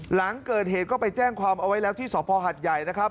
หลังเกิดเหตุก็ไปแจ้งความเอาไว้แล้วที่สภหัดใหญ่นะครับ